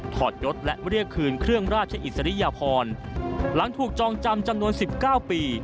อดยศและเรียกคืนเครื่องราชอิสริยพรหลังถูกจองจำจำนวนสิบเก้าปี